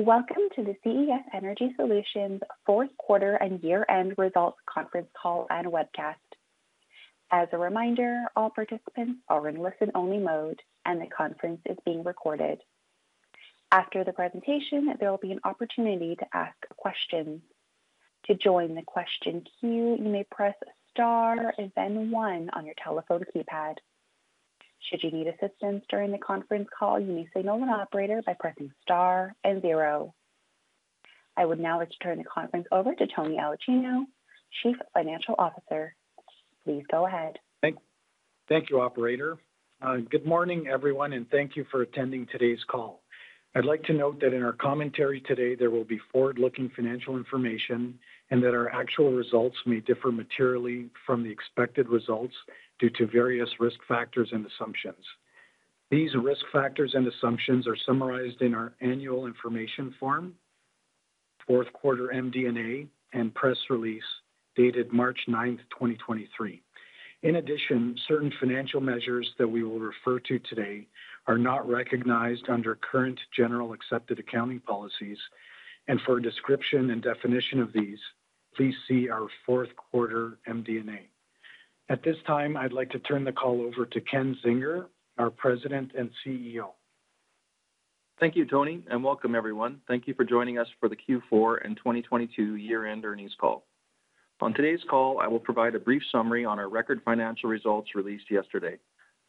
Welcome to the CES Energy Solutions Fourth Quarter and Year-End Results Conference Call and Webcast. As a reminder, all participants are in listen-only mode, and the conference is being recorded. After the presentation, there will be an opportunity to ask questions. To join the question queue, you may press star and then one on your telephone keypad. Should you need assistance during the conference call, you may signal an operator by pressing star and zero. I would now like to turn the conference over to Tony Aulicino, Chief Financial Officer. Please go ahead. Thank you, operator. Good morning, everyone, and thank you for attending today's call. I'd like to note that in our commentary today, there will be forward-looking financial information and that our actual results may differ materially from the expected results due to various risk factors and assumptions. These risk factors and assumptions are summarized in our annual information form, fourth quarter MD&A, and press release dated March 9th, 2023. In addition, certain financial measures that we will refer to today are not recognized under current general accepted accounting policies, and for a description and definition of these, please see our fourth quarter MD&A. At this time, I'd like to turn the call over to Ken Zinger, our President and CEO. Thank you, Tony, and welcome, everyone. Thank you for joining us for the Q4 and 2022 year-end earnings call. On today's call, I will provide a brief summary on our record financial results released yesterday,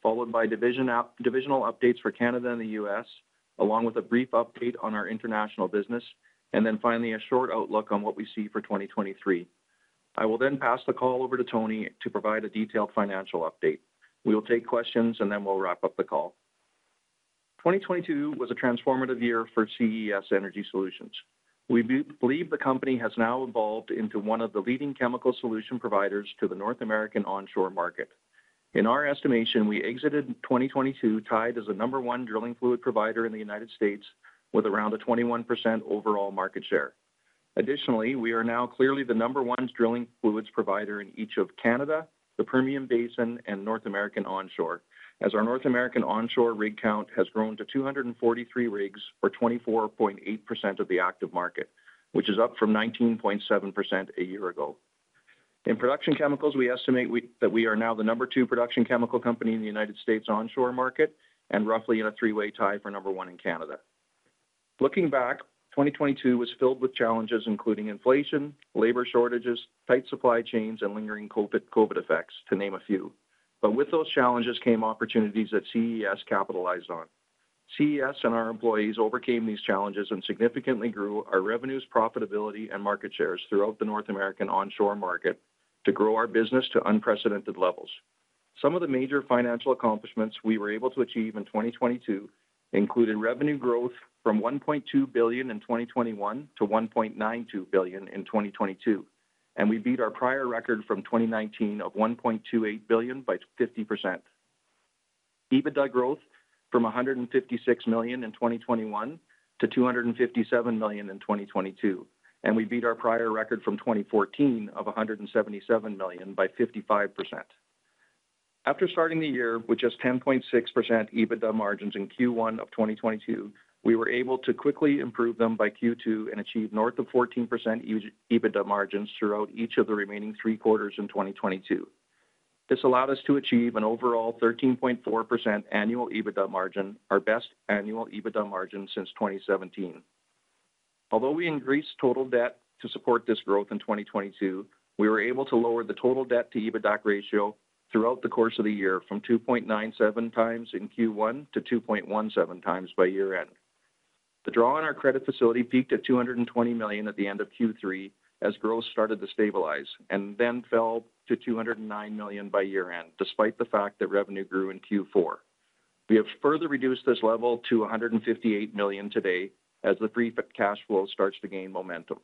followed by divisional updates for Canada and the U.S., along with a brief update on our international business, and then finally a short outlook on what we see for 2023. I will then pass the call over to Tony to provide a detailed financial update. We will take questions, and then we'll wrap up the call. 2022 was a transformative year for CES Energy Solutions. We believe the company has now evolved into one of the leading chemical solution providers to the North American onshore market. In our estimation, we exited 2022 tied as the number one drilling fluid provider in the U.S. with around a 21% overall market share. We are now clearly the number one drilling fluids provider in each of Canada, the Permian Basin, and North American onshore as our North American onshore rig count has grown to 243 rigs or 24.8% of the active market, which is up from 19.7% a year ago. In production chemicals, we estimate that we are now the number two production chemical company in the United States onshore market and roughly in a three-way tie for number one in Canada. Looking back, 2022 was filled with challenges, including inflation, labor shortages, tight supply chains, and lingering COVID effects, to name a few. With those challenges came opportunities that CES capitalized on. CES and our employees overcame these challenges and significantly grew our revenues, profitability, and market shares throughout the North American onshore market to grow our business to unprecedented levels. Some of the major financial accomplishments we were able to achieve in 2022 included revenue growth from $1.2 billion in 2021 to $1.92 billion in 2022, and we beat our prior record from 2019 of $1.28 billion by 50%. EBITDA growth from $156 million in 2021 to $257 million in 2022, and we beat our prior record from 2014 of $177 million by 55%. After starting the year with just 10.6% EBITDA margins in Q1 of 2022, we were able to quickly improve them by Q2 and achieve north of 14% EBITDA margins throughout each of the remaining three quarters in 2022. This allowed us to achieve an overall 13.4% annual EBITDA margin, our best annual EBITDA margin since 2017. We increased total debt to support this growth in 2022, we were able to lower the total debt to EBITDA ratio throughout the course of the year from 2.97x in Q1 to 2.17x by year-end. The draw on our credit facility peaked at 220 million at the end of Q3 as growth started to stabilize and then fell to 209 million by year-end, despite the fact that revenue grew in Q4. We have further reduced this level to 158 million today as the free cash flow starts to gain momentum.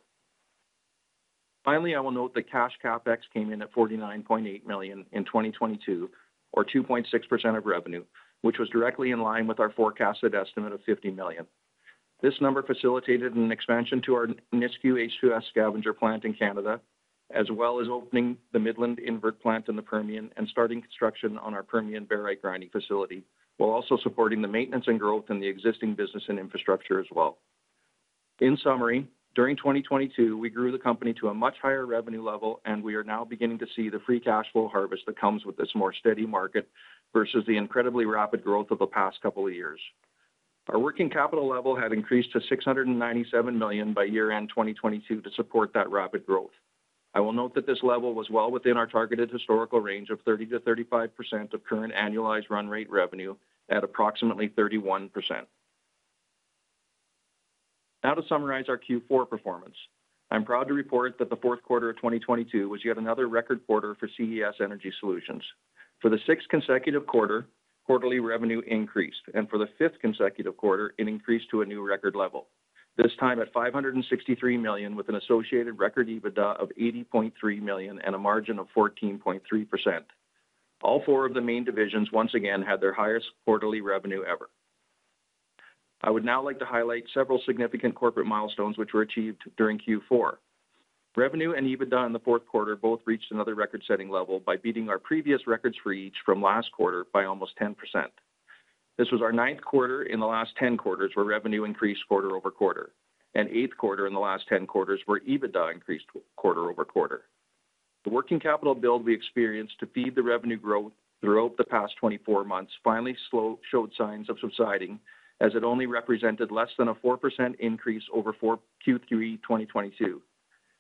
I will note that cash CapEx came in at 49.8 million in 2022 or 2.6% of revenue, which was directly in line with our forecasted estimate of 50 million. This number facilitated an expansion to our Nisku H2S scavenger plant in Canada, as well as opening the Midland invert plant in the Permian and starting construction on our Permian barite grinding facility, while also supporting the maintenance and growth in the existing business and infrastructure as well. In summary, during 2022, we grew the company to a much higher revenue level, and we are now beginning to see the free cash flow harvest that comes with this more steady market versus the incredibly rapid growth of the past couple of years. Our working capital level had increased to 697 million by year-end 2022 to support that rapid growth. I will note that this level was well within our targeted historical range of 30%-35% of current annualized run rate revenue at approximately 31%. Now to summarize our Q4 performance. I'm proud to report that the fourth quarter of 2022 was yet another record quarter for CES Energy Solutions. For the 6th consecutive quarter, quarterly revenue increased and for the fifth consecutive quarter, it increased to a new record level, this time at 563 million with an associated record EBITDA of 80.3 million and a margin of 14.3%. All four of the main divisions once again had their highest quarterly revenue ever. I would now like to highlight several significant corporate milestones which were achieved during Q4. Revenue and EBITDA in the fourth quarter both reached another record-setting level by beating our previous records for each from last quarter by almost 10%. This was our ninth quarter in the last 10 quarters where revenue increased quarter-over-quarter, and eighth quarter in the last 10 quarters where EBITDA increased quarter-over-quarter. The working capital build we experienced to feed the revenue growth throughout the past 24 months finally showed signs of subsiding as it only represented less than a 4% increase over Q3 2022.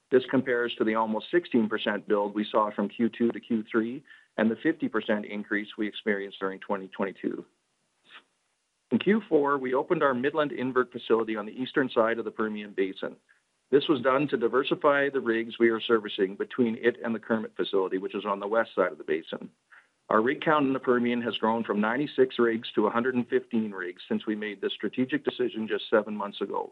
This compares to the almost 16% build we saw from Q2 to Q3 and the 50% increase we experienced during 2022. In Q4, we opened our Midland invert facility on the eastern side of the Permian Basin. This was done to diversify the rigs we are servicing between it and the Kermit facility, which is on the west side of the basin. Our rig count in the Permian has grown from 96 rigs to 115 rigs since we made this strategic decision just seven months ago.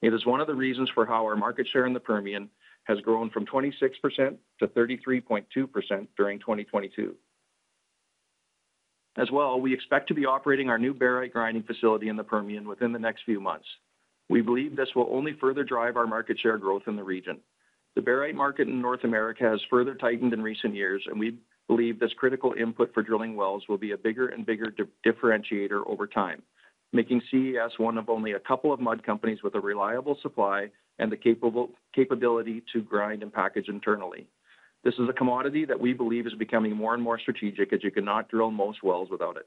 It is one of the reasons for how our market share in the Permian has grown from 26%-33.2% during 2022. We expect to be operating our new barite grinding facility in the Permian within the next few months. We believe this will only further drive our market share growth in the region. The barite market in North America has further tightened in recent years, we believe this critical input for drilling wells will be a bigger and bigger differentiator over time, making CES 1 of only a couple of mud companies with a reliable supply and the capability to grind and package internally. This is a commodity that we believe is becoming more and more strategic, as you cannot drill most wells without it.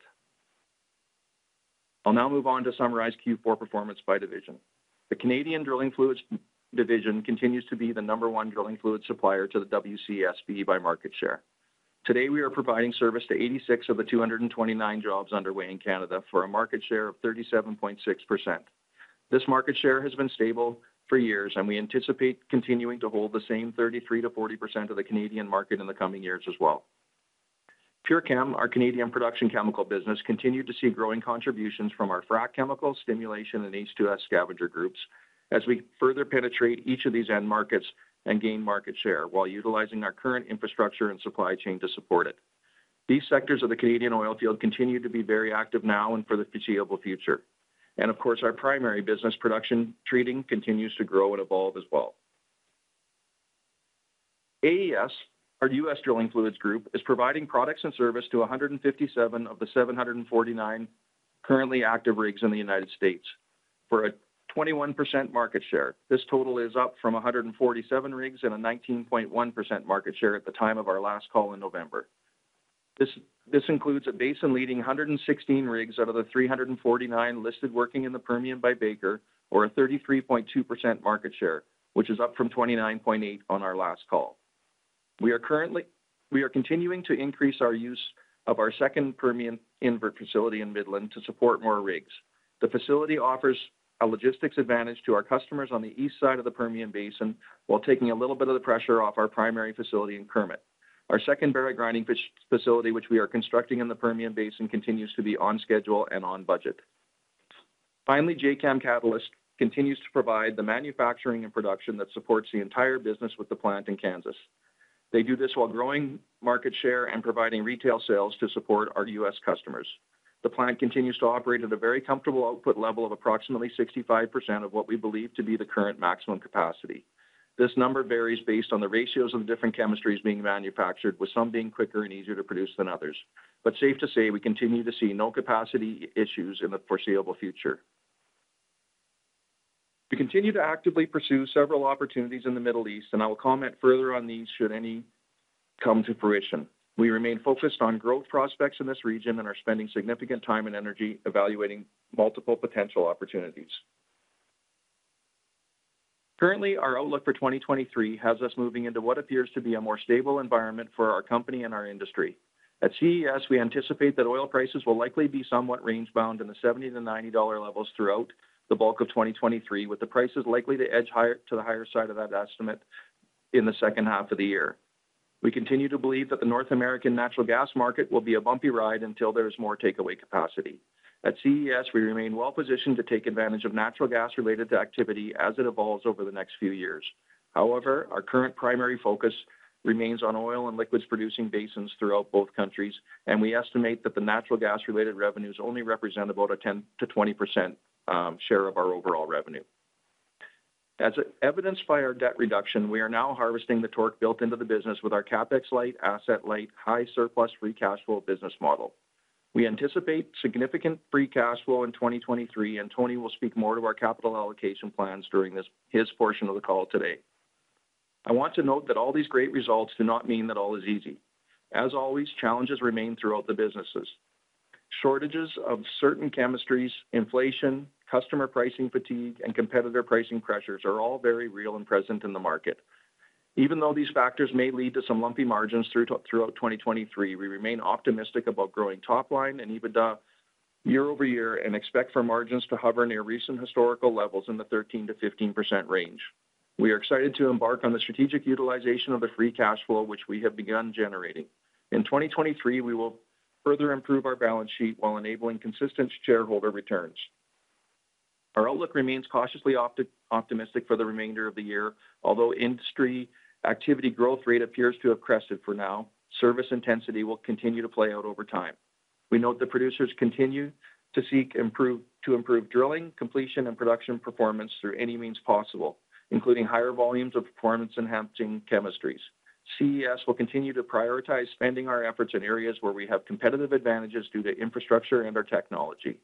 I'll now move on to summarize Q4 performance by division. The Canadian drilling fluids division continues to be the number one drilling fluid supplier to the WCSB by market share. Today, we are providing service to 86 of the 229 jobs underway in Canada for a market share of 37.6%. This market share has been stable for years, we anticipate continuing to hold the same 33%-40% of the Canadian market in the coming years as well. PureChem, our Canadian production chemical business, continued to see growing contributions from our frac chemicals, stimulation, and H2S scavenger groups as we further penetrate each of these end markets and gain market share while utilizing our current infrastructure and supply chain to support it. These sectors of the Canadian oilfield continue to be very active now and for the foreseeable future. Of course, our primary business, production treating, continues to grow and evolve as well. AES, our U.S. drilling fluids group, is providing products and service to 157 of the 749 currently active rigs in the U.S. for a 21% market share. This total is up from 147 rigs and a 19.1% market share at the time of our last call in November. This includes a basin-leading 116 rigs out of the 349 listed working in the Permian by Baker, or a 33.2% market share, which is up from 29.8% on our last call. We are continuing to increase our use of our second Permian invert facility in Midland to support more rigs. The facility offers a logistics advantage to our customers on the east side of the Permian Basin while taking a little bit of the pressure off our primary facility in Kermit. Our second barite grinding facility, which we are constructing in the Permian Basin, continues to be on schedule and on budget. Finally, Jacam Catalyst continues to provide the manufacturing and production that supports the entire business with the plant in Kansas. They do this while growing market share and providing retail sales to support our U.S. customers. The plant continues to operate at a very comfortable output level of approximately 65% of what we believe to be the current maximum capacity. This number varies based on the ratios of the different chemistries being manufactured, with some being quicker and easier to produce than others. Safe to say, we continue to see no capacity issues in the foreseeable future. We continue to actively pursue several opportunities in the Middle East, I will comment further on these should any come to fruition. We remain focused on growth prospects in this region and are spending significant time and energy evaluating multiple potential opportunities. Currently, our outlook for 2023 has us moving into what appears to be a more stable environment for our company and our industry. At CES, we anticipate that oil prices will likely be somewhat range-bound in the $70-$90 levels throughout the bulk of 2023, with the prices likely to edge to the higher side of that estimate in the second half of the year. We continue to believe that the North American natural gas market will be a bumpy ride until there is more takeaway capacity. At CES, we remain well positioned to take advantage of natural gas-related activity as it evolves over the next few years. However, our current primary focus remains on oil and liquids-producing basins throughout both countries, and we estimate that the natural gas-related revenues only represent about a 10%-20% share of our overall revenue. As evidenced by our debt reduction, we are now harvesting the torque built into the business with our CapEx-light, asset-light, high surplus free cash flow business model. We anticipate significant free cash flow in 2023. Tony will speak more to our capital allocation plans during his portion of the call today. I want to note that all these great results do not mean that all is easy. As always, challenges remain throughout the businesses. Shortages of certain chemistries, inflation, customer pricing fatigue, and competitor pricing pressures are all very real and present in the market. Even though these factors may lead to some lumpy margins throughout 2023, we remain optimistic about growing top line and EBITDA year-over-year and expect for margins to hover near recent historical levels in the 13%-15% range. We are excited to embark on the strategic utilization of the free cash flow, which we have begun generating. In 2023, we will further improve our balance sheet while enabling consistent shareholder returns. Our outlook remains cautiously optimistic for the remainder of the year. Although industry activity growth rate appears to have crested for now, service intensity will continue to play out over time. We note that producers continue to seek to improve drilling, completion, and production performance through any means possible, including higher volumes of performance-enhancing chemistries. CES will continue to prioritize spending our efforts in areas where we have competitive advantages due to infrastructure and our technology.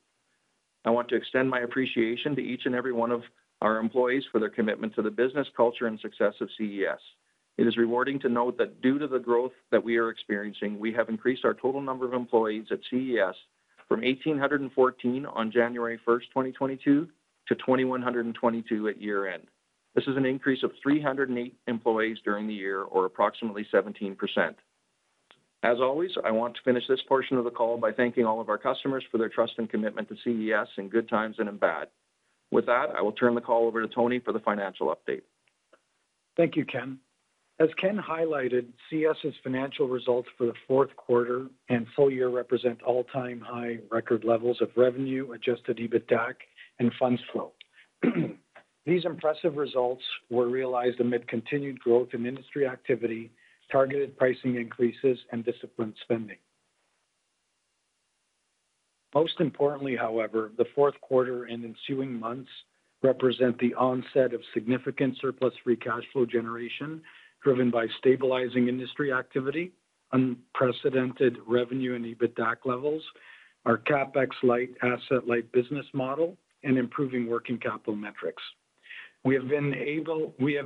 I want to extend my appreciation to each and every one of our employees for their commitment to the business, culture, and success of CES. It is rewarding to note that due to the growth that we are experiencing, we have increased our total number of employees at CES from 1,814 on January 1st, 2022 to 2,122 at year-end. This is an increase of 308 employees during the year or approximately 17%. As always, I want to finish this portion of the call by thanking all of our customers for their trust and commitment to CES in good times and in bad. With that, I will turn the call over to Tony for the financial update. Thank you, Ken. As Ken highlighted, CES's financial results for the fourth quarter and full year represent all-time high record levels of revenue, adjusted EBITDA, and funds flow. These impressive results were realized amid continued growth in industry activity, targeted pricing increases, and disciplined spending. Most importantly, however, the fourth quarter and ensuing months represent the onset of significant surplus free cash flow generation driven by stabilizing industry activity, unprecedented revenue and EBITDA levels, our CapEx-light, asset-light business model, and improving working capital metrics. We have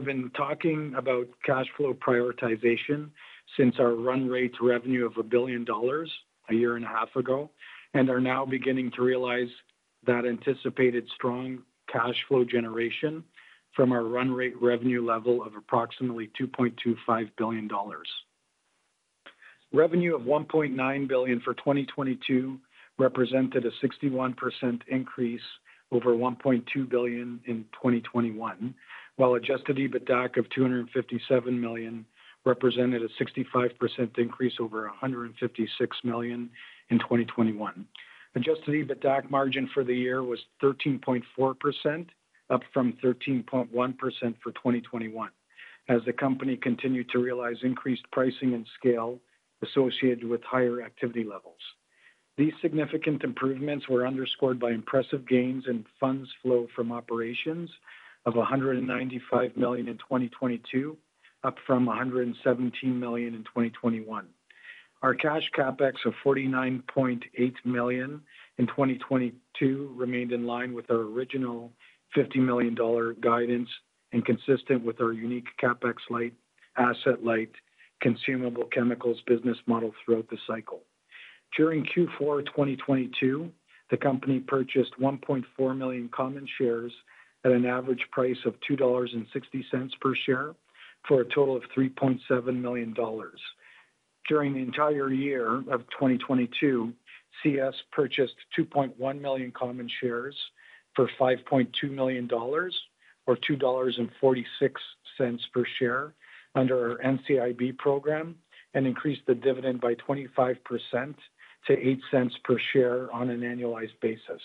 been talking about cash flow prioritization since our run rate revenue of 1 billion dollars a year and a half ago. Are now beginning to realize that anticipated strong cash flow generation from our run rate revenue level of approximately 2.25 billion dollars. Revenue of 1.9 billion for 2022 represented a 61% increase over 1.2 billion in 2021, while Adjusted EBITDA of 257 million represented a 65% increase over 156 million in 2021. Adjusted EBITDA margin for the year was 13.4%, up from 13.1% for 2021, as the company continued to realize increased pricing and scale associated with higher activity levels. These significant improvements were underscored by impressive gains in funds flow from operations of 195 million in 2022, up from 117 million in 2021. Our cash CapEx of 49.8 million in 2022 remained in line with our original 50 million dollar guidance and consistent with our unique CapEx-light, asset-light, consumable chemicals business model throughout the cycle. During Q4 2022, the company purchased 1.4 million common shares at an average price of 2.60 dollars per share for a total of 3.7 million dollars. During the entire year of 2022, CES purchased 2.1 million common shares for 5.2 million dollars or 2.46 dollars per share under our NCIB program and increased the dividend by 25% to 0.08 per share on an annualized basis.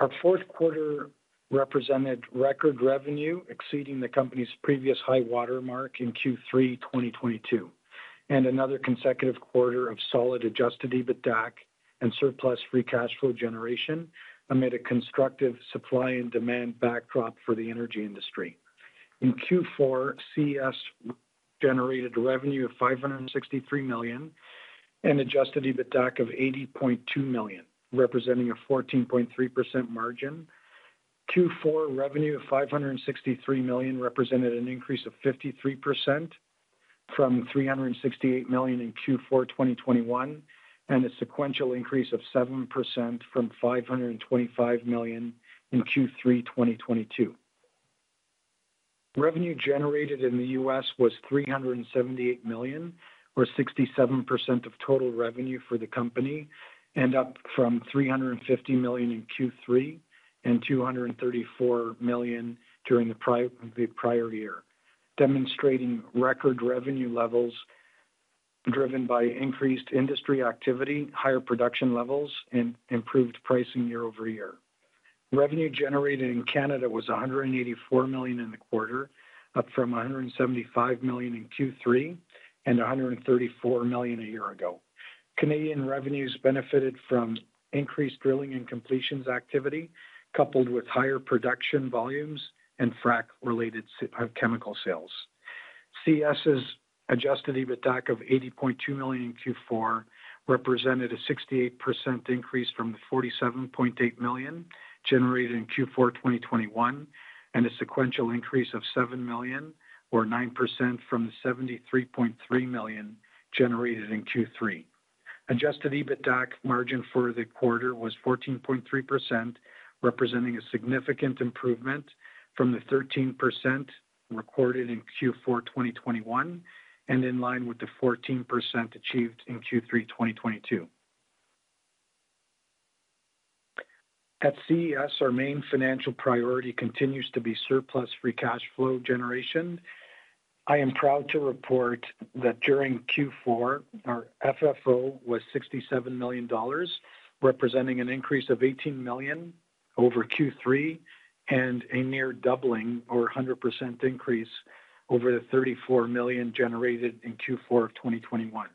Our fourth quarter represented record revenue exceeding the company's previous high watermark in Q3 2022, and another consecutive quarter of solid adjusted EBITDA and surplus free cash flow generation amid a constructive supply and demand backdrop for the energy industry. In Q4, CES generated revenue of 563 million and adjusted EBITDA of 80.2 million, representing a 14.3% margin. Q4 revenue of 563 million represented an increase of 53% from 368 million in Q4 2021, and a sequential increase of 7% from 525 million in Q3 2022. Revenue generated in the U.S. was $378 million, or 67% of total revenue for the company, and up from $350 million in Q3 and $234 million during the prior year, demonstrating record revenue levels driven by increased industry activity, higher production levels, and improved pricing year-over-year. Revenue generated in Canada was 184 million in the quarter, up from 175 million in Q3 and 134 million a year ago. Canadian revenues benefited from increased drilling and completions activity, coupled with higher production volumes and frack-related chemical sales. CES's adjusted EBITDA of $80.2 million in Q4 represented a 68% increase from the $47.8 million generated in Q4 2021, and a sequential increase of $7 million or 9% from the $73.3 million generated in Q3. Adjusted EBITDA margin for the quarter was 14.3%, representing a significant improvement from the 13% recorded in Q4 2021 and in line with the 14% achieved in Q3 2022. At CES, our main financial priority continues to be surplus free cash flow generation. I am proud to report that during Q4, our FFO was $67 million, representing an increase of $18 million over Q3 and a near doubling or a 100% increase over the $34 million generated in Q4 2021.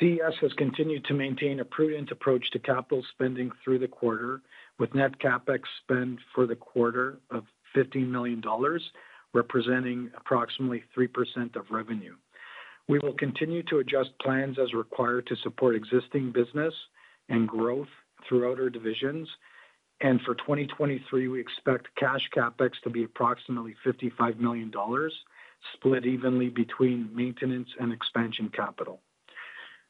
CES has continued to maintain a prudent approach to capital spending through the quarter, with net CapEx spend for the quarter of 15 million dollars, representing approximately 3% of revenue. We will continue to adjust plans as required to support existing business and growth throughout our divisions. For 2023, we expect cash CapEx to be approximately 55 million dollars, split evenly between maintenance and expansion capital.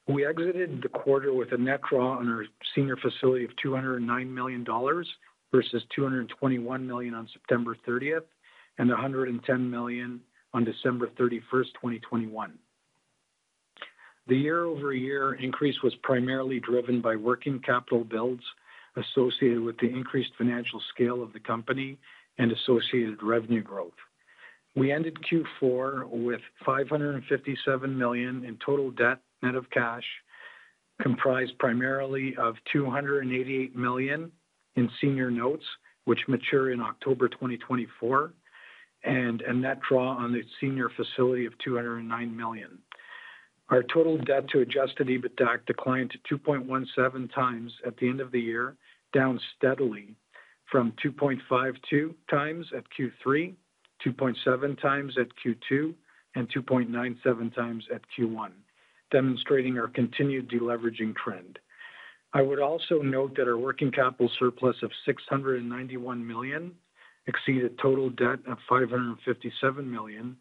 We exited the quarter with a net draw on our Senior Facility of 209 million dollars versus 221 million on September 30th and 110 million on December 31st, 2021. The year-over-year increase was primarily driven by working capital builds associated with the increased financial scale of the company and associated revenue growth. We ended Q4 with 557 million in total debt net of cash, comprised primarily of 288 million in Senior Notes, which mature in October 2024, and a net draw on the Senior Facility of 209 million. Our total debt to adjusted EBITDA declined to 2.17x at the end of the year, down steadily from 2.52x at Q3, 2.7x at Q2, and 2.97x at Q1, demonstrating our continued deleveraging trend. I would also note that our working capital surplus of 691 million exceeded total debt of 557 million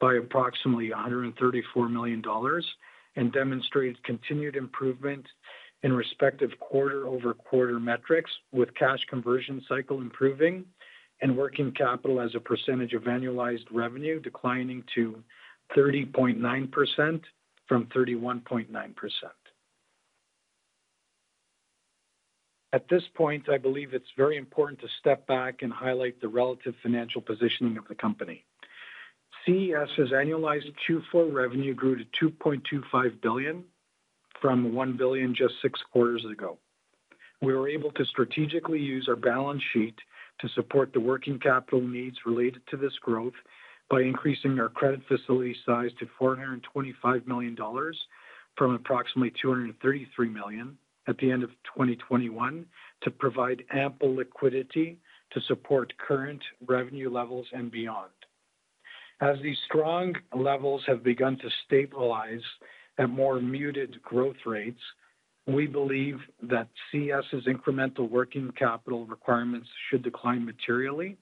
by approximately 134 million dollars and demonstrated continued improvement in respective quarter-over-quarter metrics, with cash conversion cycle improving and working capital as a percentage of annualized revenue declining to 30.9% from 31.9%. At this point, I believe it's very important to step back and highlight the relative financial positioning of the company. CES's annualized Q4 revenue grew to 2.25 billion from 1 billion just six quarters ago. We were able to strategically use our balance sheet to support the working capital needs related to this growth by increasing our credit facility size to $425 million from approximately $233 million at the end of 2021 to provide ample liquidity to support current revenue levels and beyond. As these strong levels have begun to stabilize at more muted growth rates, we believe that CES's incremental working capital requirements should decline materially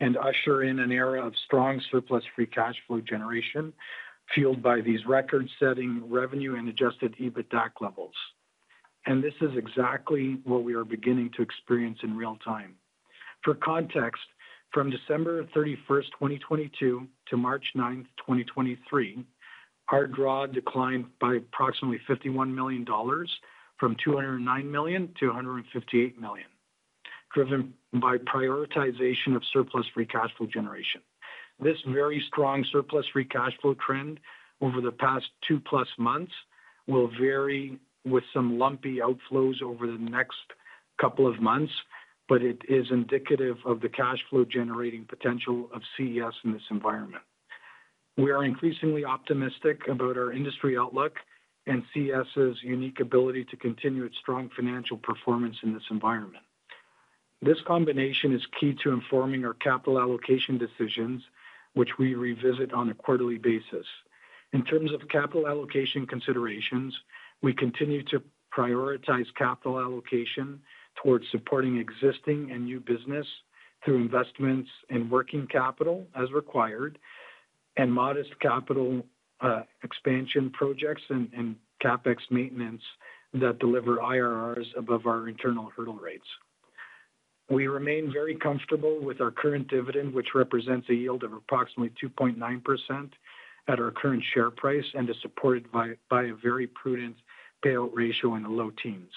and usher in an era of strong surplus free cash flow generation fueled by these record-setting revenue and adjusted EBITDA levels. This is exactly what we are beginning to experience in real time. For context, from December 31st, 2022 to March 9th, 2023, our draw declined by approximately 51 million dollars from 209 million to 158 million, driven by prioritization of surplus free cash flow generation. This very strong surplus free cash flow trend over the past two-plus months will vary with some lumpy outflows over the next couple of months, but it is indicative of the cash flow generating potential of CES in this environment. We are increasingly optimistic about our industry outlook and CES's unique ability to continue its strong financial performance in this environment. This combination is key to informing our capital allocation decisions, which we revisit on a quarterly basis. In terms of capital allocation considerations, we continue to prioritize capital allocation towards supporting existing and new business through investments in working capital as required and modest capital expansion projects and CapEx maintenance that deliver IRRs above our internal hurdle rates. We remain very comfortable with our current dividend, which represents a yield of approximately 2.9% at our current share price and is supported by a very prudent payout ratio in the low teens.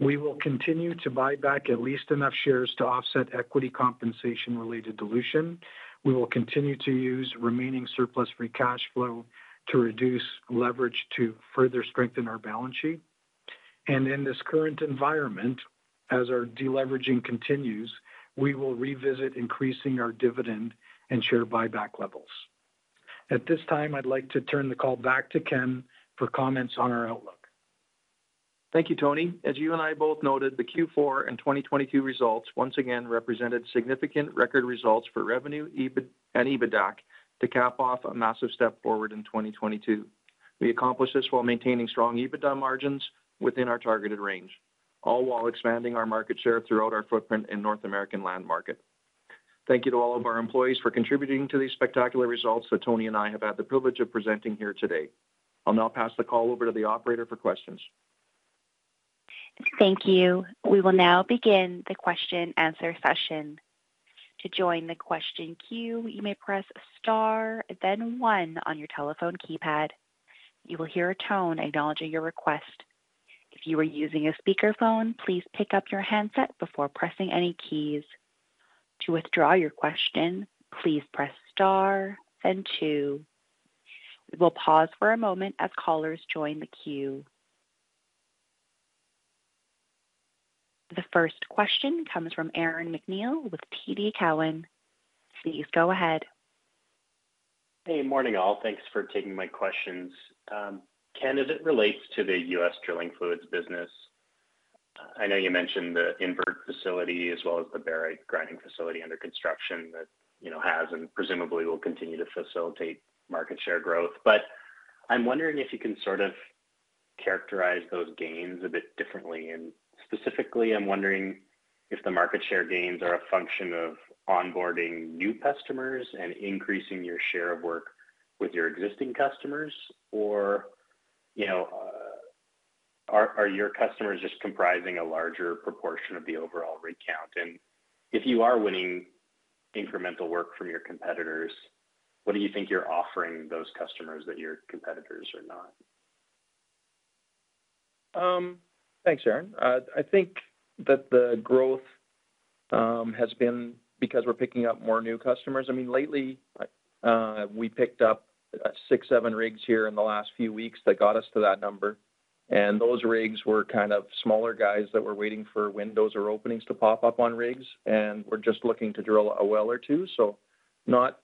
We will continue to buy back at least enough shares to offset equity compensation-related dilution. We will continue to use remaining surplus free cash flow to reduce leverage to further strengthen our balance sheet. In this current environment, as our deleveraging continues, we will revisit increasing our dividend and share buyback levels. At this time, I'd like to turn the call back to Ken for comments on our outlook. Thank you, Tony. As you and I both noted, the Q4 and 2022 results once again represented significant record results for revenue, EBIT, and EBITDA to cap off a massive step forward in 2022. We accomplished this while maintaining strong EBITDA margins within our targeted range, all while expanding our market share throughout our footprint in North American land market. Thank you to all of our employees for contributing to these spectacular results that Tony and I have had the privilege of presenting here today. I'll now pass the call over to the operator for questions. Thank you. We will now begin the question-answer session. To join the question queue, you may press star then one on your telephone keypad. You will hear a tone acknowledging your request. If you are using a speakerphone, please pick up your handset before pressing any keys. To withdraw your question, please press star then two. We will pause for a moment as callers join the queue. The first question comes from Aaron MacNeil with TD Cowen. Please go ahead. Hey, morning, all. Thanks for taking my questions. Ken, as it relates to the U.S. drilling fluids business, I know you mentioned the invert facility as well as the barite grinding facility under construction that, you know, has and presumably will continue to facilitate market share growth. I'm wondering if you can sort of characterize those gains a bit differently. Specifically, I'm wondering if the market share gains are a function of onboarding new customers and increasing your share of work with your existing customers, or, you know, are your customers just comprising a larger proportion of the overall rig count? If you are winning incremental work from your competitors, what do you think you're offering those customers that your competitors are not? Thanks, Aaron. I think that the growth has been because we're picking up more new customers. I mean, lately, we picked up six, seven rigs here in the last few weeks that got us to that number, and those rigs were kind of smaller guys that were waiting for windows or openings to pop up on rigs and were just looking to drill a well or two. Not,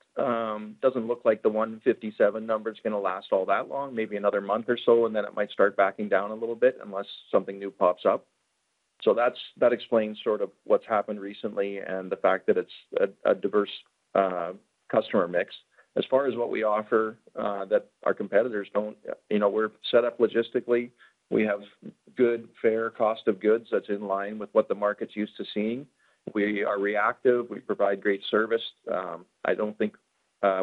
doesn't look like the 157 number is gonna last all that long, maybe another month or so, and then it might start backing down a little bit unless something new pops up. That explains sort of what's happened recently and the fact that it's a diverse customer mix. As far as what we offer, that our competitors don't, you know, we're set up logistically. We have good, fair cost of goods that's in line with what the market's used to seeing. We are reactive. We provide great service. I don't think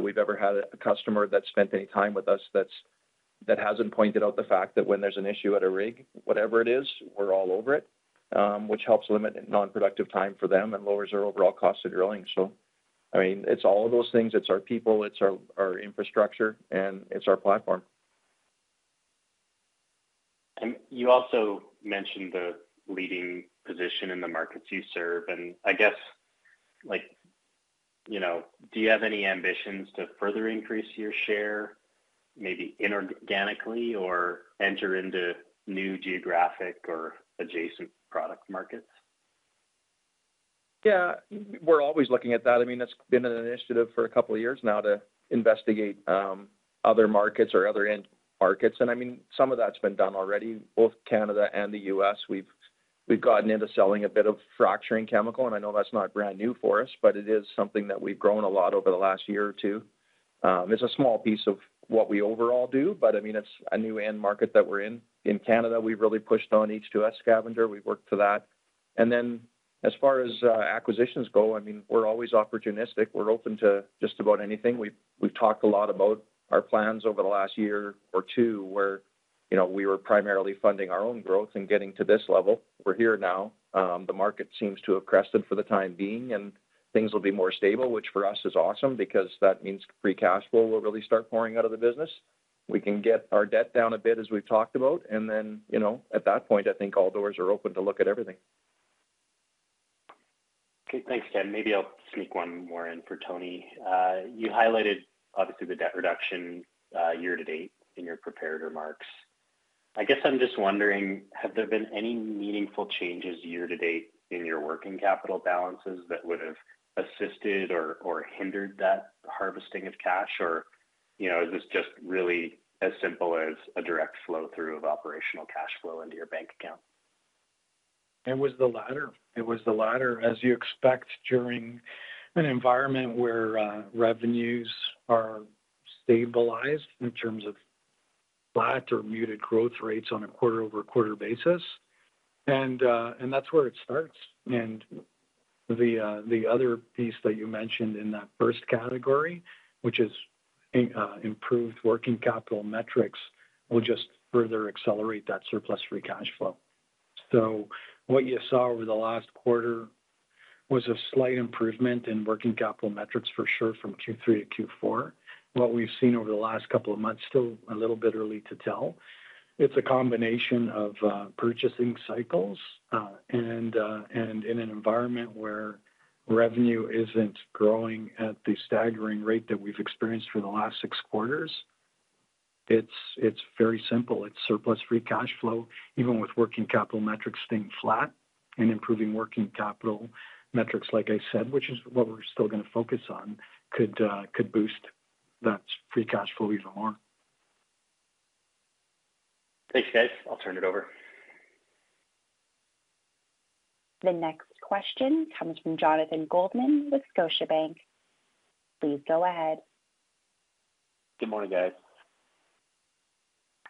we've ever had a customer that spent any time with us that hasn't pointed out the fact that when there's an issue at a rig, whatever it is, we're all over it, which helps limit non-productive time for them and lowers their overall cost of drilling. I mean, it's all of those things. It's our people, it's our infrastructure, and it's our platform. You also mentioned the leading position in the markets you serve, and I guess, like, you know, do you have any ambitions to further increase your share, maybe inorganically or enter into new geographic or adjacent product markets? Yeah. We're always looking at that. I mean, that's been an initiative for a couple of years now to investigate other markets or other end markets. I mean, some of that's been done already. Both Canada and the U.S., we've gotten into selling a bit of fracturing chemical, and I know that's not brand new for us, but it is something that we've grown a lot over the last year or two. It's a small piece of what we overall do, but, I mean, it's a new end market that we're in. In Canada, we've really pushed on H2S scavenger. We've worked to that. As far as acquisitions go, I mean, we're always opportunistic. We're open to just about anything. We've talked a lot about our plans over the last year or two where, you know, we were primarily funding our own growth and getting to this level. We're here now. The market seems to have crested for the time being. Things will be more stable, which for us is awesome because that means free cash flow will really start pouring out of the business. We can get our debt down a bit as we've talked about. You know, at that point, I think all doors are open to look at everything. Okay. Thanks, Ken. Maybe I'll sneak one more in for Tony. You highlighted obviously the debt reduction year to date in your prepared remarks. I guess I'm just wondering, have there been any meaningful changes year to date in your working capital balances that would have assisted or hindered that harvesting of cash? You know, is this just really as simple as a direct flow through of operational cash flow into your bank account? It was the latter. As you expect during an environment where revenues are stabilized in terms of flat or muted growth rates on a quarter-over-quarter basis. That's where it starts. The other piece that you mentioned in that first category, which is improved working capital metrics, will just further accelerate that surplus free cash flow. What you saw over the last quarter was a slight improvement in working capital metrics for sure from Q3 to Q4. What we've seen over the last couple of months, still a little bit early to tell. It's a combination of purchasing cycles and in an environment where revenue isn't growing at the staggering rate that we've experienced for the last six quarters, it's very simple. It's surplus free cash flow, even with working capital metrics staying flat and improving working capital metrics, like I said, which is what we're still gonna focus on could boost that free cash flow even more. Thanks, guys. I'll turn it over. The next question comes from Jonathan Goldman with Scotiabank. Please go ahead. Good morning, guys.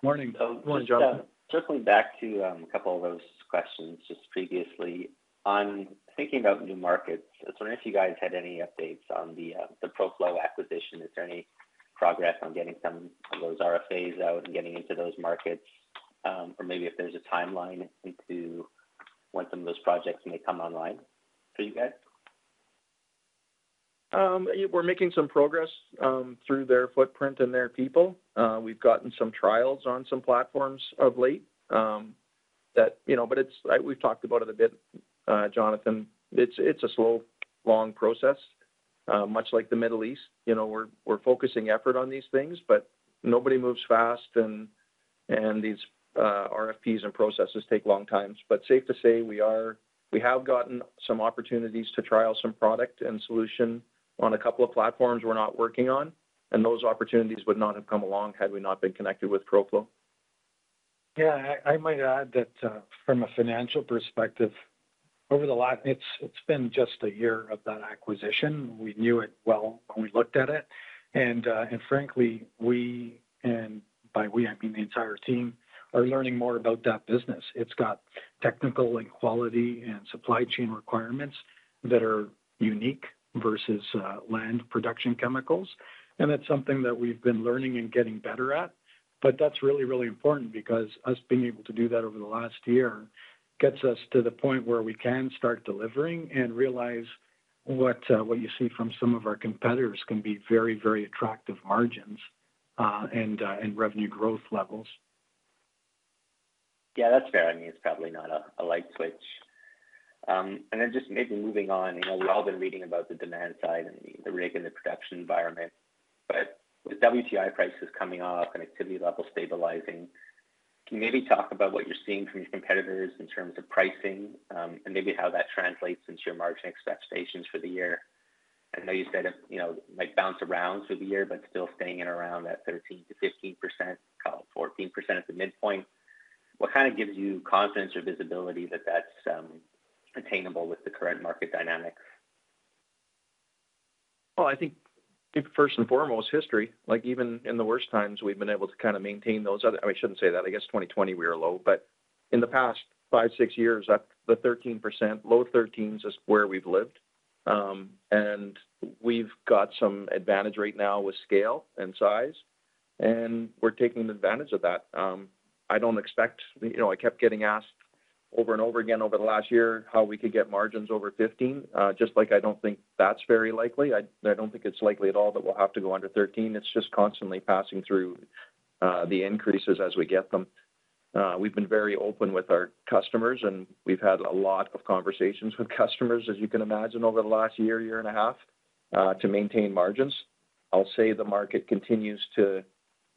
Morning. Morning, Jonathan. Just circling back to a couple of those questions just previously. On thinking about new markets, I was wondering if you guys had any updates on the ProFlow acquisition. Is there any progress on getting some of those RFPs out and getting into those markets? Maybe if there's a timeline into when some of those projects may come online for you guys? We're making some progress through their footprint and their people. We've gotten some trials on some platforms of late that. You know, We've talked about it a bit, Jonathan. It's a slow, long process. Much like the Middle East, you know, we're focusing effort on these things, but nobody moves fast, and these RFPs and processes take long times. Safe to say we have gotten some opportunities to trial some product and solution on a couple of platforms we're not working on, and those opportunities would not have come along had we not been connected with ProFlow. Yeah. I might add that from a financial perspective, over the last it's been just one year of that acquisition. We knew it well when we looked at it. frankly, we, and by we, I mean the entire team, are learning more about that business. It's got technical and quality and supply chain requirements that are unique versus land production chemicals. That's something that we've been learning and getting better at. That's really, really important because us being able to do that over the last year gets us to the point where we can start delivering and realize what you see from some of our competitors can be very, very attractive margins and revenue growth levels. Yeah, that's fair. I mean, it's probably not a light switch. Just maybe moving on. You know, we've all been reading about the demand side and the rig and the production environment, but with WTI prices coming off and activity levels stabilizing, can you maybe talk about what you're seeing from your competitors in terms of pricing, and maybe how that translates into your margin expectations for the year? I know you said it, you know, might bounce around through the year, but still staying in around that 13%-15%, call it 14% at the midpoint. What kind of gives you confidence or visibility that that's attainable with the current market dynamics? Well, I think first and foremost, history. Like, even in the worst times, we've been able to kind of maintain. I mean, I shouldn't say that. I guess 2020 we were low. In the past five, six years, at the 13%, low 13s is where we've lived. We've got some advantage right now with scale and size, and we're taking advantage of that. I don't expect. You know, I kept getting asked over and over again over the last year how we could get margins over 15. just like I don't think that's very likely, I don't think it's likely at all that we'll have to go under 13. It's just constantly passing through, the increases as we get them. We've been very open with our customers, and we've had a lot of conversations with customers, as you can imagine, over the last year and a half to maintain margins. I'll say the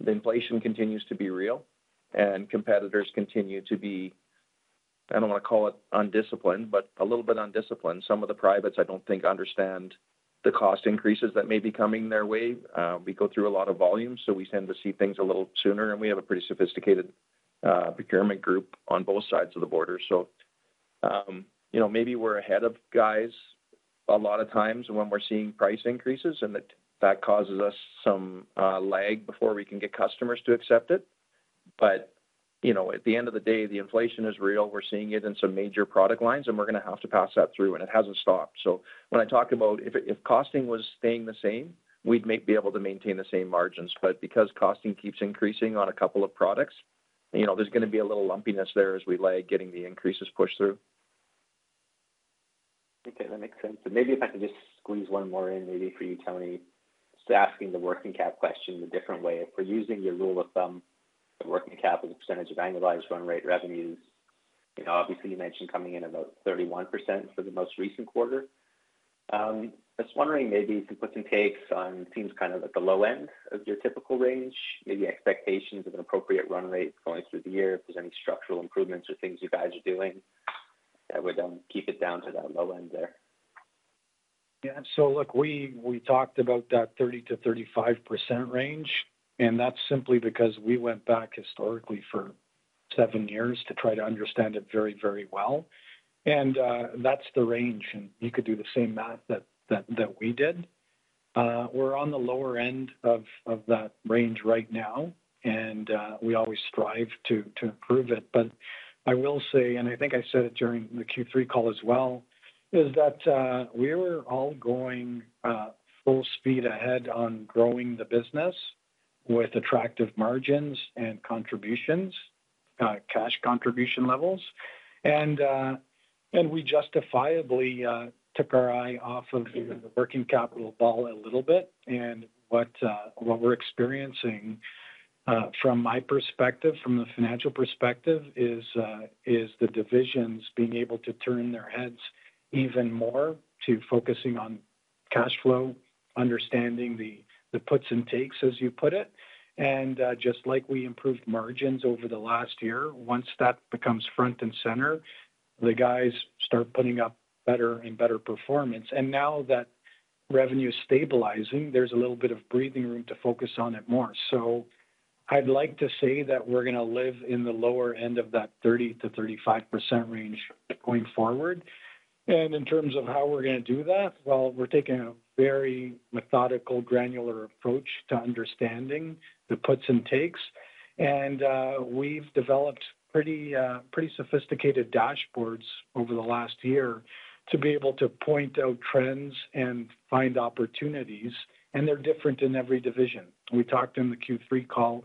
inflation continues to be real, and competitors continue to be, I don't want to call it undisciplined, but a little bit undisciplined. Some of the privates I don't think understand the cost increases that may be coming their way. We go through a lot of volume, we tend to see things a little sooner, and we have a pretty sophisticated procurement group on both sides of the border. You know, maybe we're ahead of guys a lot of times when we're seeing price increases and that causes us some lag before we can get customers to accept it. You know, at the end of the day, the inflation is real. We're seeing it in some major product lines, and we're gonna have to pass that through, and it hasn't stopped. When I talk about if costing was staying the same, we'd be able to maintain the same margins. Because costing keeps increasing on a couple of products, you know, there's gonna be a little lumpiness there as we lag getting the increases pushed through. Okay, that makes sense. Maybe if I could just squeeze one more in maybe for you, Tony. Just asking the working cap question a different way. If we're using your rule of thumb of working cap as a percentage of annualized run rate revenues, you know, obviously, you mentioned coming in about 31% for the most recent quarter. I was wondering maybe some puts and takes on seems kind of at the low end of your typical range, maybe expectations of an appropriate run rate going through the year, if there's any structural improvements or things you guys are doing that would keep it down to that low end there. Yeah. Look, we talked about that 30%-35% range, and that's simply because we went back historically for seven years to try to understand it very, very well. That's the range, and you could do the same math that we did. We're on the lower end of that range right now, and we always strive to improve it. I will say, and I think I said it during the Q3 call as well, is that we were all going, full speed ahead on growing the business with attractive margins and contributions, cash contribution levels. We justifiably, took our eye off of the working capital ball a little bit. What we're experiencing, from my perspective, from the financial perspective, is the divisions being able to turn their heads even more to focusing on cash flow, understanding the puts and takes, as you put it. Just like we improved margins over the last year, once that becomes front and center, the guys start putting up better and better performance. Now that revenue is stabilizing, there's a little bit of breathing room to focus on it more. I'd like to say that we're gonna live in the lower end of that 30%-35% range going forward. In terms of how we're gonna do that, well, we're taking a very methodical, granular approach to understanding the puts and takes. We've developed pretty sophisticated dashboards over the last year to be able to point out trends and find opportunities, and they're different in every division. We talked in the Q3 call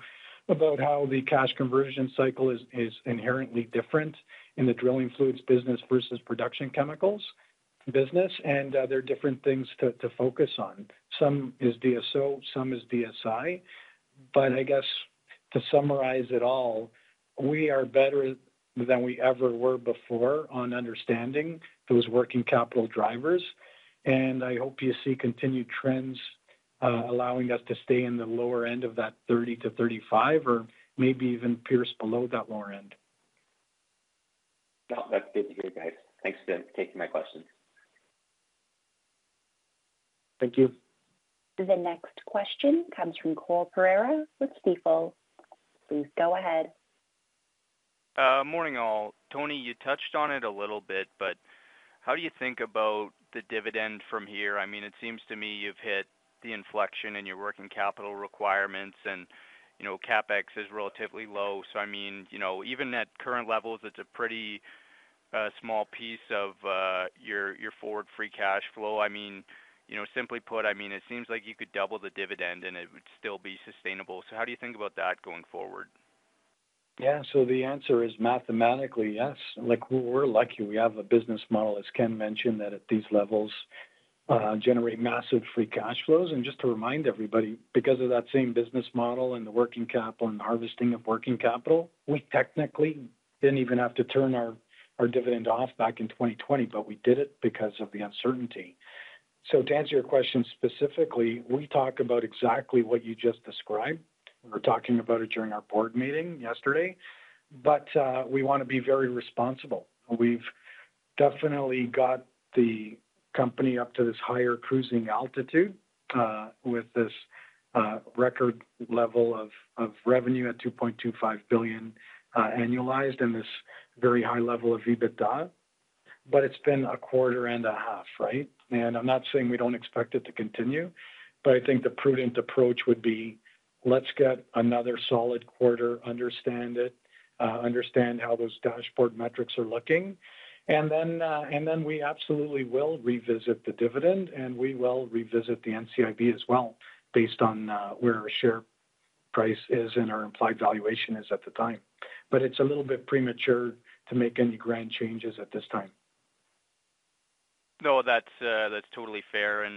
about how the cash conversion cycle is inherently different in the drilling fluids business versus production chemicals business. There are different things to focus on. Some is DSO, some is DSI. To summarize it all, we are better than we ever were before on understanding those working capital drivers. I hope you see continued trends allowing us to stay in the lower end of that 30-35 or maybe even pierce below that lower end. No, that's good to hear, guys. Thanks then for taking my question. Thank you. The next question comes from Cole Pereira with Stifel. Please go ahead. Morning, all. Tony, you touched on it a little bit, but how do you think about the dividend from here? I mean, it seems to me you've hit the inflection in your working capital requirements and, you know, CapEx is relatively low. I mean, you know, even at current levels, it's a pretty small piece of your forward free cash flow. I mean, you know, simply put, I mean, it seems like you could double the dividend, and it would still be sustainable. How do you think about that going forward? Yeah. The answer is mathematically, yes. Like, we're lucky we have a business model, as Ken mentioned, that at these levels, generate massive free cash flows. Just to remind everybody, because of that same business model and the working capital and harvesting of working capital, we technically didn't even have to turn our dividend off back in 2020, but we did it because of the uncertainty. To answer your question specifically, we talk about exactly what you just described. We were talking about it during our board meeting yesterday. We wanna be very responsible. We've definitely got the company up to this higher cruising altitude with this record level of revenue at $2.25 billion annualized and this very high level of EBITDA. It's been a quarter and a half, right? I'm not saying we don't expect it to continue, but I think the prudent approach would be, let's get another solid quarter, understand it, understand how those dashboard metrics are looking. Then we absolutely will revisit the dividend, and we will revisit the NCIB as well based on where our share price is and our implied valuation is at the time. It's a little bit premature to make any grand changes at this time. No. That's, that's totally fair.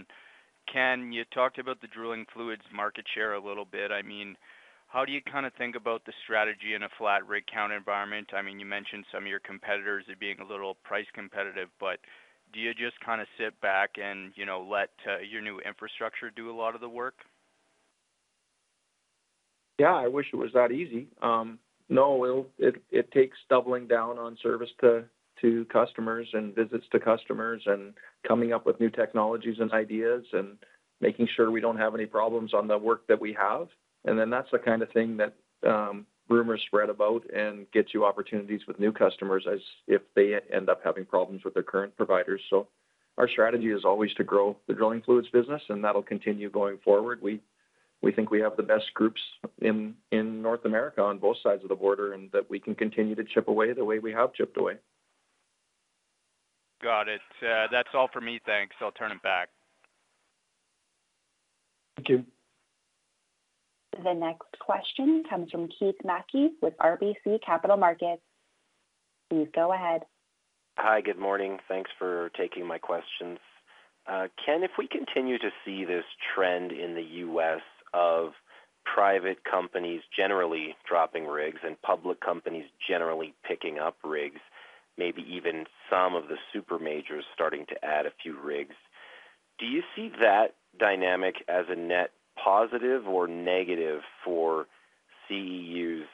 Ken, you talked about the drilling fluids market share a little bit. I mean, how do you kinda think about the strategy in a flat rig count environment? I mean, you mentioned some of your competitors are being a little price competitive, do you just kinda sit back and, you know, let, your new infrastructure do a lot of the work? Yeah. I wish it was that easy. No. It takes doubling down on service to customers and visits to customers and coming up with new technologies and ideas and making sure we don't have any problems on the work that we have. That's the kind of thing that rumors spread about and gets you opportunities with new customers as if they end up having problems with their current providers. Our strategy is always to grow the drilling fluids business, and that'll continue going forward. We think we have the best groups in North America on both sides of the border and that we can continue to chip away the way we have chipped away. Got it. That's all for me. Thanks. I'll turn it back. Thank you. The next question comes from Keith Mackey with RBC Capital Markets. Please go ahead. Hi. Good morning. Thanks for taking my questions. Ken, if we continue to see this trend in the U.S. of private companies generally dropping rigs and public companies generally picking up rigs, maybe even some of the super majors starting to add a few rigs, do you see that dynamic as a net positive or negative for CEU's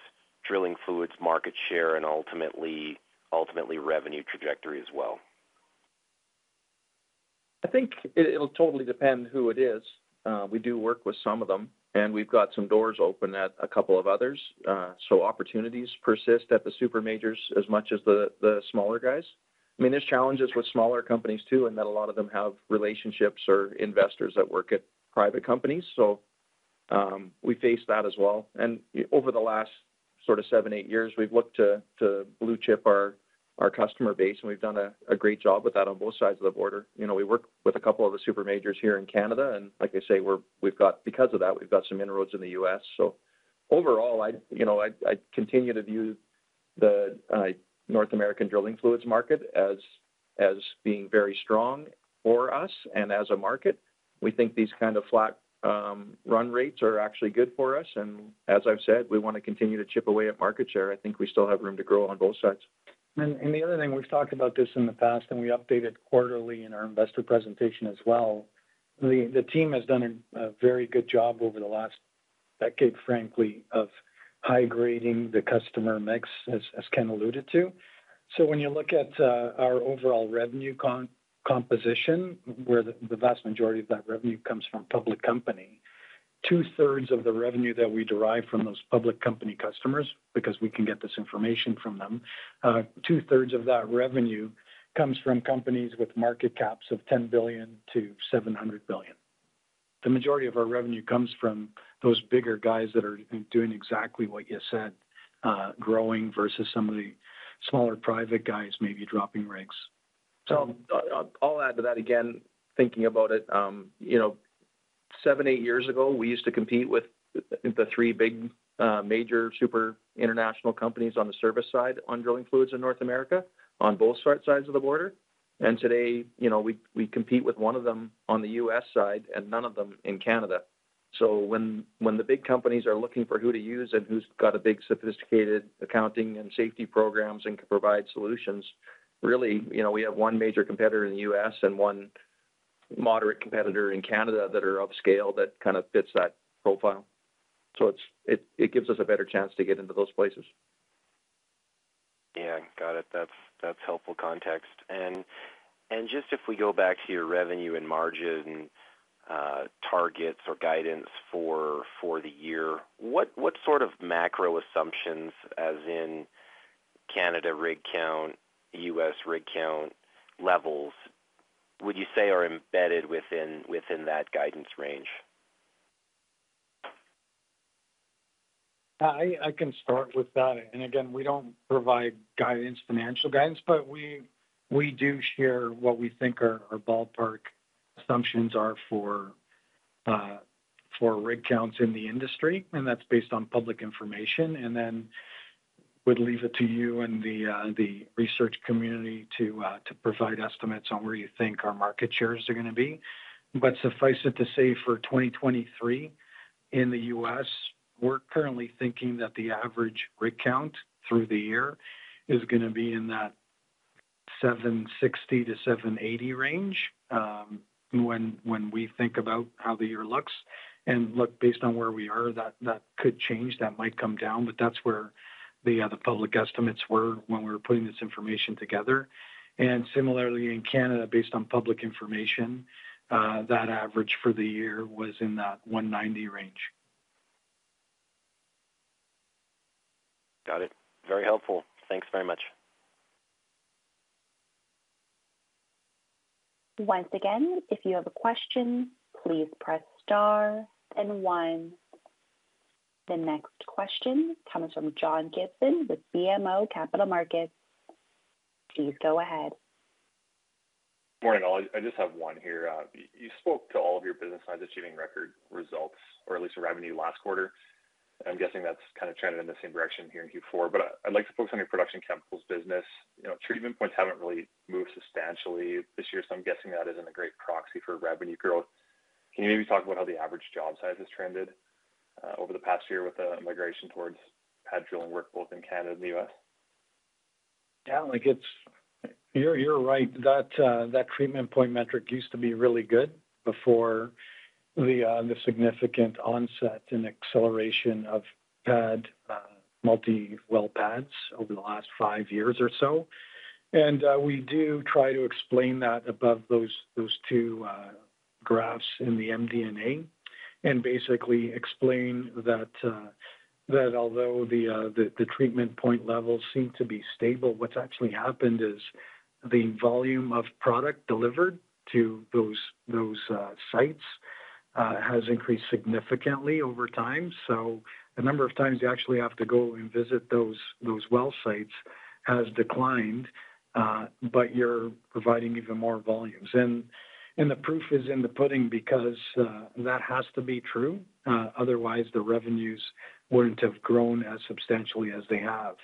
drilling fluids market share and ultimately revenue trajectory as well? I think it'll totally depend who it is. We do work with some of them, and we've got some doors open at a couple of others. Opportunities persist at the super majors as much as the smaller guys. I mean, there's challenges with smaller companies too, and that a lot of them have relationships or investors that work at private companies. We face that as well. Over the last sort of seven, eight years, we've looked to blue chip our customer base, and we've done a great job with that on both sides of the border. You know, we work with a couple of the super majors here in Canada, and like I say, because of that, we've got some inroads in the US. Overall, I'd, you know, I'd continue to view the North American drilling fluids market as being very strong for us and as a market. We think these kind of flat run rates are actually good for us. As I've said, we wanna continue to chip away at market share. I think we still have room to grow on both sides. The other thing, we've talked about this in the past, and we update it quarterly in our investor presentation as well. The team has done a very good job over the last decade, frankly, of high-grading the customer mix, as Ken alluded to. When you look at our overall revenue composition, where the vast majority of that revenue comes from public company, 2/3 of the revenue that we derive from those public company customers, because we can get this information from them, 2/3 of that revenue comes from companies with market caps of $10 billion-$700 billion. The majority of our revenue comes from those bigger guys that are doing exactly what you said, growing versus some of the smaller private guys maybe dropping rigs. I'll add to that again, thinking about it. You know, seven, eight years ago, we used to compete with the three big, major super international companies on the service side on drilling fluids in North America on both sides of the border. Today, you know, we compete with one of them on the U.S. side and none of them in Canada. When the big companies are looking for who to use and who's got a big sophisticated accounting and safety programs and can provide solutions, really, you know, we have one major competitor in the U.S. and one moderate competitor in Canada that are of scale that kind of fits that profile. It gives us a better chance to get into those places. Yeah, got it. That's helpful context. Just if we go back to your revenue and margin targets or guidance for the year, what sort of macro assumptions as in Canada rig count, U.S. rig count levels would you say are embedded within that guidance range? I can start with that. Again, we don't provide guidance, financial guidance, but we do share what we think our ballpark assumptions are for rig counts in the industry, and that's based on public information. Would leave it to you and the research community to provide estimates on where you think our market shares are gonna be. Suffice it to say for 2023 in the U.S., we're currently thinking that the average rig count through the year is gonna be in that 760-780 range when we think about how the year looks. Look, based on where we are, that could change, that might come down, but that's where the public estimates were when we were putting this information together. Similarly, in Canada, based on public information, that average for the year was in that 190 range. Got it. Very helpful. Thanks very much. Once again, if you have a question, please press star then one. The next question comes from John Gibson with BMO Capital Markets. Please go ahead. Morning, all. I just have one here. You spoke to all of your business sides achieving record results or at least revenue last quarter. I'm guessing that's kind of trending in the same direction here in Q4. I'd like to focus on your production chemicals business. You know, treatment points haven't really moved substantially this year, so I'm guessing that isn't a great proxy for revenue growth. Can you maybe talk about how the average job size has trended over the past year with the migration towards pad drilling work both in Canada and the US? Yeah. Like, it's. You're right. That that treatment point metric used to be really good before the the significant onset and acceleration of pad multi-well pads over the last 5 years or so. We do try to explain that above those two graphs in the MD&A and basically explain that that although the the treatment point levels seem to be stable, what's actually happened is the volume of product delivered to those sites has increased significantly over time. The number of times you actually have to go and visit those well sites has declined, but you're providing even more volumes. The proof is in the pudding because that has to be true. Otherwise, the revenues wouldn't have grown as substantially as they have.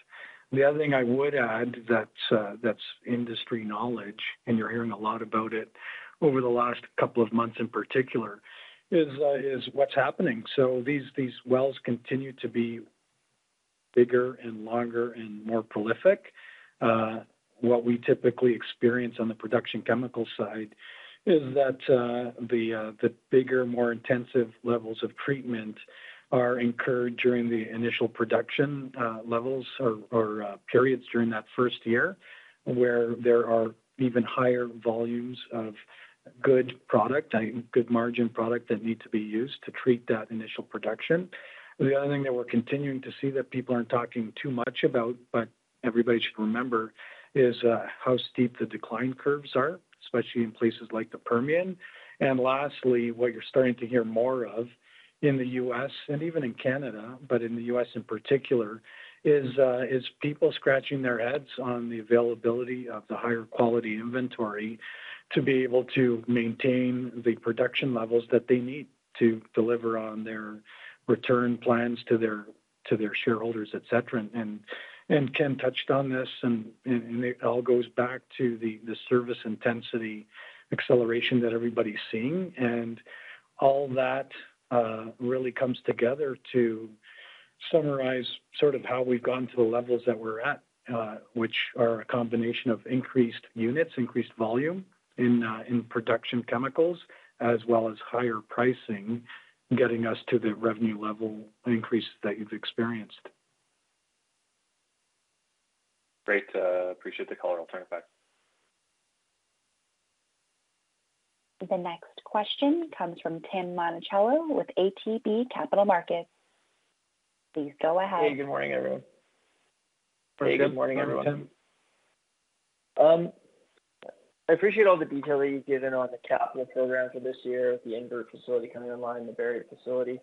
The other thing I would add that's industry knowledge, and you're hearing a lot about it over the last couple of months in particular, is what's happening. These, these wells continue to be bigger and longer and more prolific. What we typically experience on the production chemical side is that the the bigger, more intensive levels of treatment are incurred during the initial production levels or periods during that first year, where there are even higher volumes of good product, good margin product that need to be used to treat that initial production. The other thing that we're continuing to see that people aren't talking too much about, but everybody should remember, is how steep the decline curves are, especially in places like the Permian. Lastly, what you're starting to hear more of in the U.S. and even in Canada, but in the U.S. in particular, is people scratching their heads on the availability of the higher quality inventory to be able to maintain the production levels that they need to deliver on their return plans to their shareholders, et cetera. Ken touched on this, and it all goes back to the service intensity acceleration that everybody's seeing. All that really comes together to summarize sort of how we've gotten to the levels that we're at, which are a combination of increased units, increased volume in production chemicals, as well as higher pricing getting us to the revenue level increases that you've experienced. Great. appreciate the color. I'll turn it back. The next question comes from Tim Monachello with ATB Capital Markets. Please go ahead. Hey, good morning, everyone. Hey, good morning, everyone. Good morning, Tim. I appreciate all the detail that you've given on the capital program for this year with the Invert facility coming online, the Barrière facility.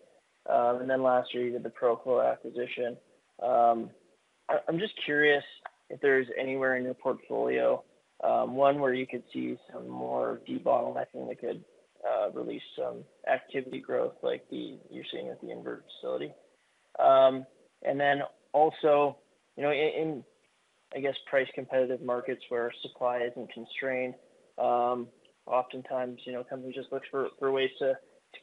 Last year, you did the ProFlow acquisition. I'm just curious if there's anywhere in your portfolio, one where you could see some more debottlenecking that could release some activity growth like you're seeing at the Invert facility? Also, you know, in I guess, price competitive markets where supply isn't constrained, oftentimes, you know, companies just look for ways to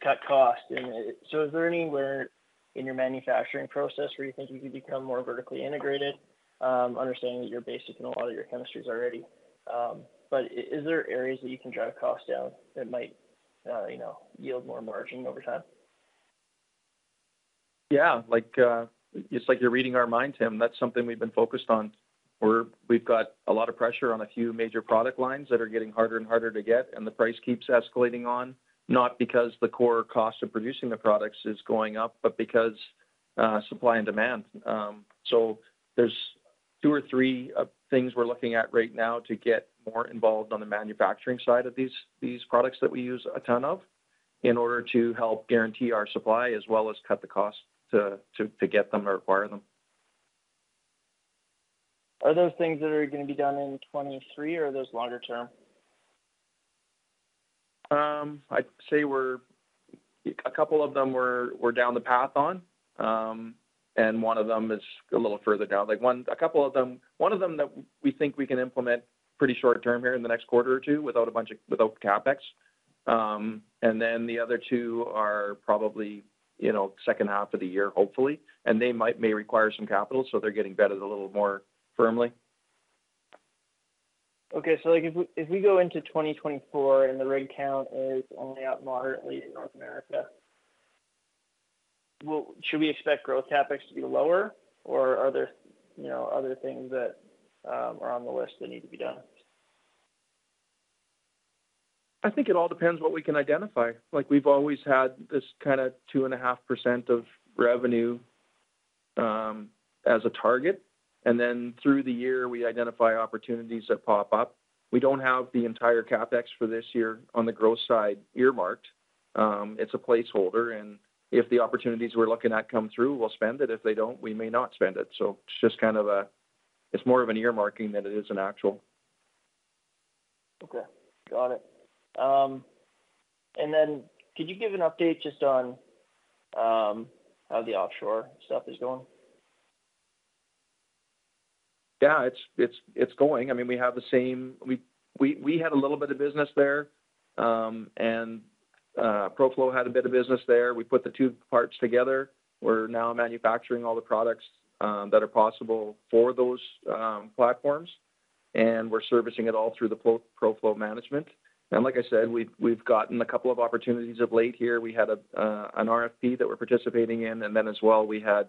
cut costs. Is there anywhere in your manufacturing process where you think you could become more vertically integrated? Understanding that you're basic in a lot of your chemistries already. Is there areas that you can drive costs down that might, you know, yield more margin over time? Yeah. Like, it's like you're reading our minds, Tim. That's something we've been focused on where we've got a lot of pressure on a few major product lines that are getting harder and harder to get, and the price keeps escalating on, not because the core cost of producing the products is going up, but because, supply and demand. There's two or three things we're looking at right now to get more involved on the manufacturing side of these products that we use a ton of in order to help guarantee our supply as well as cut the cost to get them or acquire them. Are those things that are gonna be done in 2023 or are those longer term? I'd say a couple of them we're down the path on, and one of them is a little further down. One of them that we think we can implement pretty short term here in the next quarter or two without CapEx. The other two are probably, you know, second half of the year, hopefully. They may require some capital, so they're getting vetted a little more firmly. Like, if we go into 2024 and the rig count is only up moderately in North America, should we expect growth CapEx to be lower? Or are there, you know, other things that are on the list that need to be done? I think it all depends what we can identify. We've always had this kind of 2.5% of revenue, as a target. Through the year, we identify opportunities that pop up. We don't have the entire CapEx for this year on the growth side earmarked. It's a placeholder, if the opportunities we're looking at come through, we'll spend it. If they don't, we may not spend it. It's just kind of it's more of an earmarking than it is an actual. Okay. Got it. Could you give an update just on, how the offshore stuff is going? Yeah. It's going. I mean, we have the same. We had a little bit of business there, and ProFlow had a bit of business there. We put the two parts together. We're now manufacturing all the products that are possible for those platforms, and we're servicing it all through the ProFlow management. Like I said, we've gotten a couple of opportunities of late here. We had an RFP that we're participating in, as well, we had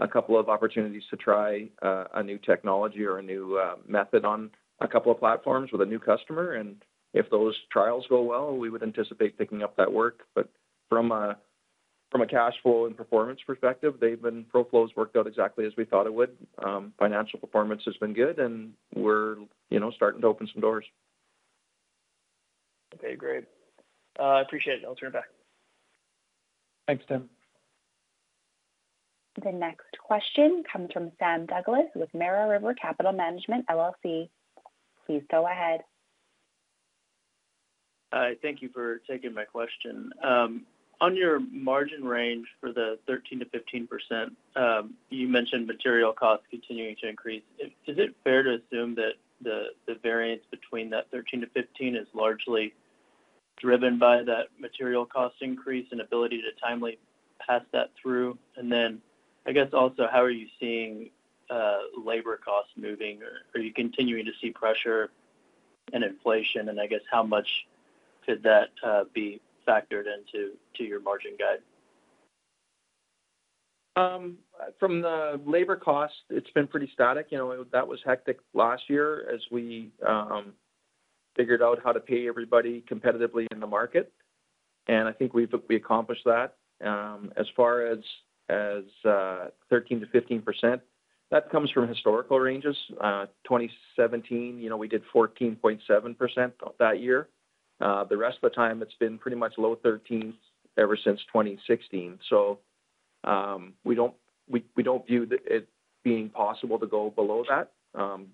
a couple of opportunities to try a new technology or a new method on a couple of platforms with a new customer. If those trials go well, we would anticipate picking up that work. From a cash flow and performance perspective, ProFlow's worked out exactly as we thought it would. Financial performance has been good, and we're, you know, starting to open some doors. Okay, great. Appreciate it. I'll turn it back. Thanks, Tim. The next question comes from Sam Douglas with Mara River Capital Management LLC. Please go ahead. Thank you for taking my question. On your margin range for the 13%-15%, you mentioned material costs continuing to increase. Is it fair to assume that the variance between that 13%-15% is largely driven by that material cost increase and ability to timely pass that through? Then, I guess, also, how are you seeing labor costs moving? Are you continuing to see pressure and inflation? I guess, how much could that be factored into your margin guide? From the labor cost, it's been pretty static. You know, that was hectic last year as we figured out how to pay everybody competitively in the market. I think we accomplished that. As far as 13%-15%, that comes from historical ranges. 2017, you know, we did 14.7% that year. The rest of the time, it's been pretty much low 13s ever since 2016. We don't view it being possible to go below that,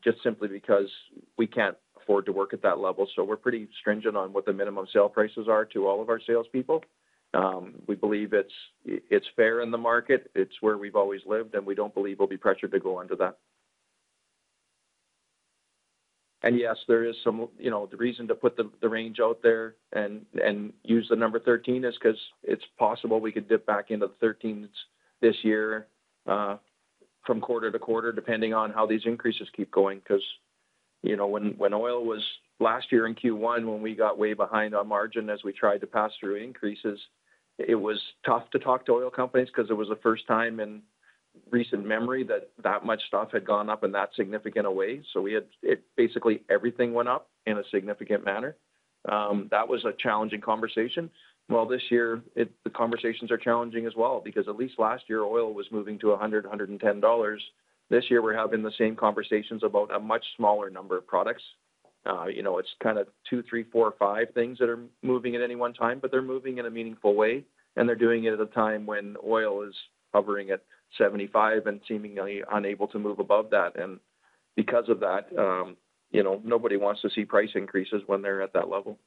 just simply because we can't afford to work at that level. We're pretty stringent on what the minimum sale prices are to all of our salespeople. We believe it's fair in the market. It's where we've always lived, and we don't believe we'll be pressured to go under that. Yes, there is some. You know, the reason to put the range out there and use the number 13 is 'cause it's possible we could dip back into the 13s this year, from quarter-to-quarter, depending on how these increases keep going. You know, when oil last year in Q1, when we got way behind on margin as we tried to pass through increases, it was tough to talk to oil companies 'cause it was the first time in recent memory that that much stuff had gone up in that significant a way. Basically, everything went up in a significant manner. That was a challenging conversation. Well, this year, the conversations are challenging as well because at least last year, oil was moving to $100, $110. This year, we're having the same conversations about a much smaller number of products. you know, it's kinda two, three, four, five things that are moving at any one time, but they're moving in a meaningful way, and they're doing it at a time when oil is hovering at $75 and seemingly unable to move above that. Because of that, you know, nobody wants to see price increases when they're at that level.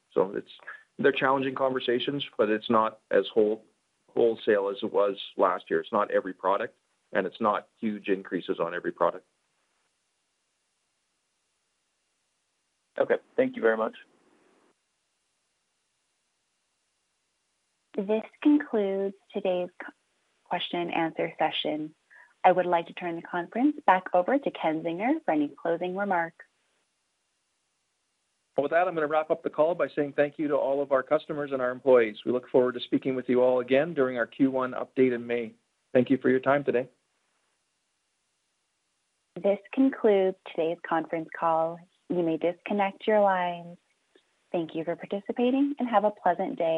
They're challenging conversations, but it's not as whole-wholesale as it was last year. It's not every product, and it's not huge increases on every product. Okay. Thank you very much. This concludes today's question and answer session. I would like to turn the conference back over to Ken Zinger for any closing remarks. With that, I'm gonna wrap up the call by saying thank you to all of our customers and our employees. We look forward to speaking with you all again during our Q1 update in May. Thank you for your time today. This concludes today's conference call. You may disconnect your lines. Thank you for participating, and have a pleasant day.